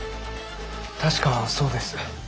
確かそうです。